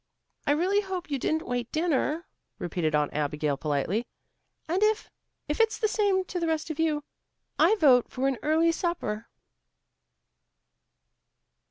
"I really hope you didn't wait dinner," repeated Aunt Abigail politely. "And if if it's the same to the rest of you, I vote for an early supper."